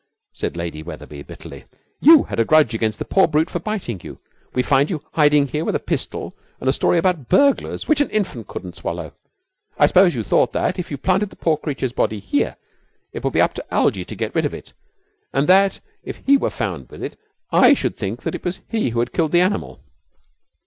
said Lady Wetherby, bitterly. 'You had a grudge against the poor brute for biting you. We find you hiding here with a pistol and a story about burglars which an infant couldn't swallow. I suppose you thought that, if you planted the poor creature's body here, it would be up to Algie to get rid of it, and that if he were found with it I should think that it was he who had killed the animal.'